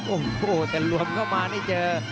โอ้โหแต่รวมเข้ามานี่เจอ